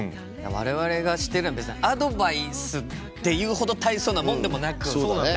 我々がしてるのは別にアドバイスっていうほど大層なもんでもなく。